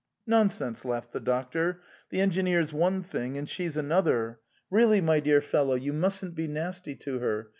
" Nonsense! " laughed the doctor. " The engineer is one thing and she is another. Really, my good fellow, you mustn't offend her.